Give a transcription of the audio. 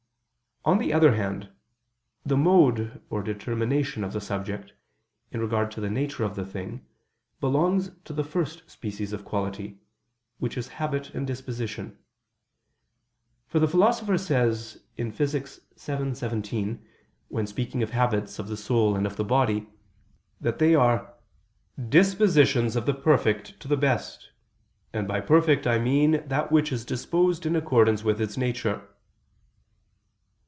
On the other hand, the mode or determination of the subject, in regard to the nature of the thing, belongs to the first species of quality, which is habit and disposition: for the Philosopher says (Phys. vii, text. 17), when speaking of habits of the soul and of the body, that they are "dispositions of the perfect to the best; and by perfect I mean that which is disposed in accordance with its nature."